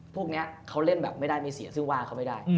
พวกนี้เขาเล่นแบบไม่ได้ไม่เสียซึ่งว่าเขาไม่ได้